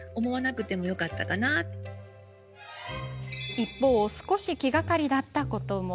一方、少し気がかりだったことも。